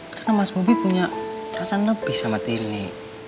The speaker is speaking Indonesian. karena mas bobi punya perasaan lebih sama tini